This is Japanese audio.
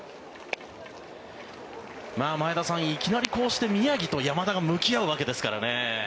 前田さん、いきなりこうして宮城と山田が向き合うわけですからね。